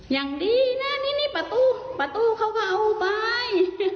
อย่างดีนะนี่ประตูประตูเขาก็เอาไป